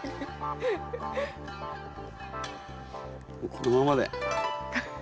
このままで。